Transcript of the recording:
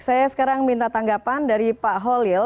saya sekarang minta tanggapan dari pak holil